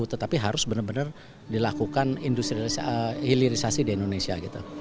tetapi harus benar benar dilakukan hilirisasi di indonesia